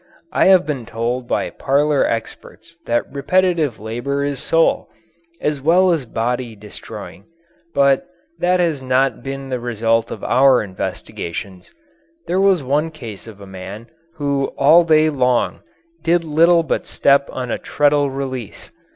I have been told by parlour experts that repetitive labour is soul as well as body destroying, but that has not been the result of our investigations. There was one case of a man who all day long did little but step on a treadle release.